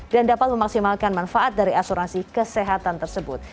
dan dapat memaksimalkan manfaat dari asuransi kesehatan tersebut